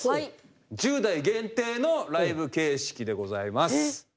１０代限定のライブ形式でございます。